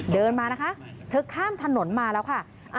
เดินมานะคะเธอข้ามถนนมาแล้วค่ะ